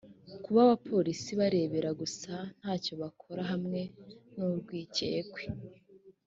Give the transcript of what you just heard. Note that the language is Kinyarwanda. kuba abapolisi barebera gusa nta cyo bakora hamwe n urwikekwe